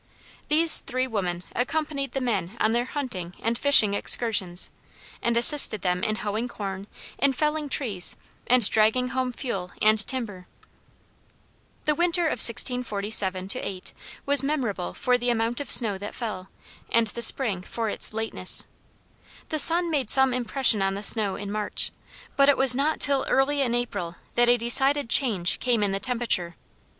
These three women accompanied the men on their hunting and fishing excursions and assisted them in hoeing corn, in felling trees, and dragging home fuel and timber. The winter of 1647 8 was memorable for the amount of snow that fell, and the spring for its lateness. The sun made some impression on the snow in March, but it was not till early in April that a decided change came in the temperature.